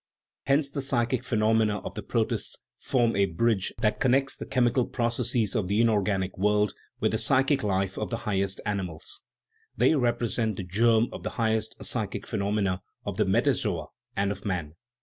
" Hence the psychic phenomena of the protists form a bridge that connects the chemical processes of the inorganic world with the psychic life of the highest animals; they represent the germ of the highest psychic phenomena of the metazoa and of man."